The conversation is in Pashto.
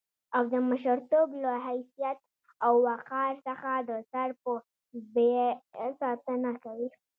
او د مشرتوب له حيثيت او وقار څخه د سر په بيه ساتنه کوي.